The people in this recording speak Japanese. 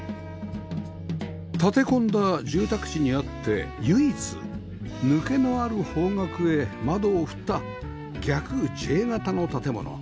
建て込んだ住宅地にあって唯一抜けのある方角へ窓を振った逆 Ｊ 形の建物